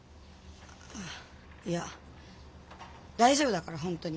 いや大丈夫だから本当に。